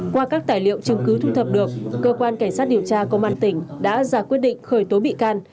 qua các tài liệu chứng cứ thu thập được cơ quan cảnh sát điều tra công an tỉnh đã ra quyết định khởi tố bị can